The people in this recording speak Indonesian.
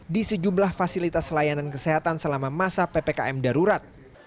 di sejumlah fasilitas layanan kesehatan selama masa ppkm darurat